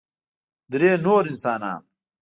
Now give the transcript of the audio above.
درې نور انسانان